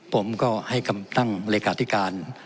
ผมก็ให้กำตั้งเลขาธิการ